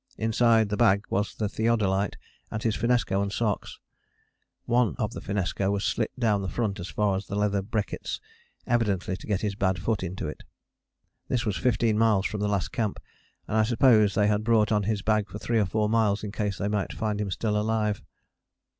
Inside the bag was the theodolite, and his finnesko and socks. One of the finnesko was slit down the front as far as the leather beckets, evidently to get his bad foot into it. This was fifteen miles from the last camp, and I suppose they had brought on his bag for three or four miles in case they might find him still alive.